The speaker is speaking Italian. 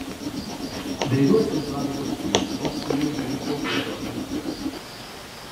Dei due esemplari costruiti nessuno è giunto ai giorni nostri.